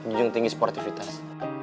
ujung tinggi sportifitas